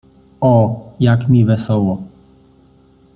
O, jak mi wesoło!